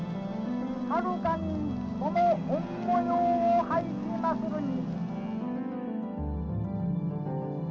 はるかにこの御もようを拝しまするに」。